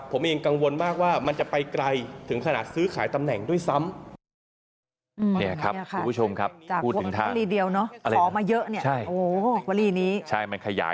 ผมเองกังวลมากว่ามันจะไปไกลถึงขนาดซื้อขายตำแหน่งด้วยซ้ำ